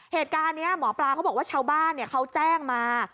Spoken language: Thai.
เหตุการณ์นี้หมอปลาเขาบอกว่าชาวบ้านเขาแจ้งมา